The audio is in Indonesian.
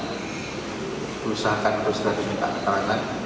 begitupun saksi saksinya nanti kita akan berusaha untuk seratimikasikan